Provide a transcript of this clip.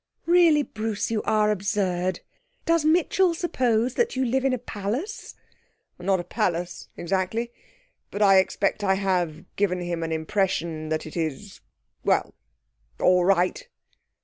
'Really, Bruce, you are absurd. Does Mitchell suppose that you live in a palace?' 'Not a palace, exactly; but I expect I have given him an impression that it is well all right.'